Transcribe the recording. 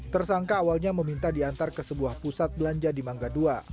tersangka awalnya meminta diantar ke sebuah pusat belanja di mangga ii